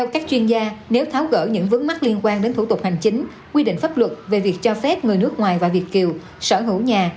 các chuyên gia nếu tháo gỡ những vấn mắc liên quan đến thủ tục hành chính quy định pháp luật về việc cho phép người nước ngoài và việt kiều sở hữu nhà